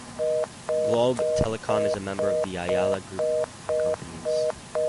Globe Telecom is a member of the Ayala Group of companies.